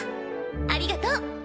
ありがとう。